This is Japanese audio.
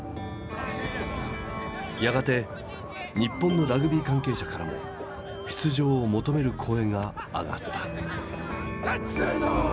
やがて日本のラグビー関係者からも出場を求める声が上がった。